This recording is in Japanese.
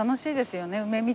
いいですね。